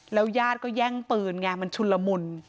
แล้วย่าดก็แย่งปืนไงมันชุนลมุน